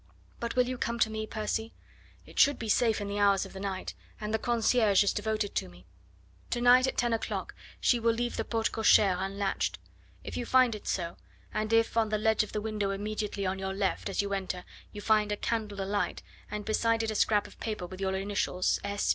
But will you come to me, Percy? It should be safe in the hours of the night, and the concierge is devoted to me. To night at ten o'clock she will leave the porte cochere unlatched. If you find it so, and if on the ledge of the window immediately on your left as you enter you find a candle alight, and beside it a scrap of paper with your initials S.